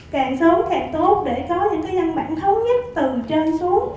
càng sớm càng tốt để có những cái nhân bản thấu nhất từ trên xuống